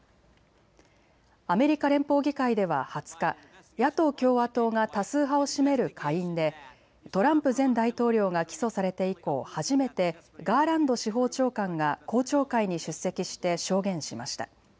アメリカ連邦議会では２０日、野党・共和党が多数派を占める下院でトランプ前大統領が起訴されて以降、初めてガーランド司法長官が公聴会に出席して証言しました。